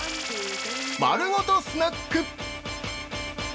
○○丸ごとスナック。